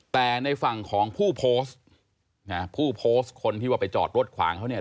แต่ในฝั่งของผู้โพสต์คนที่ว่าไปจอดรถขวางเขาเนี่ย